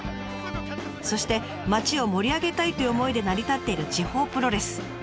そして町を盛り上げたいという思いで成り立っている地方プロレス。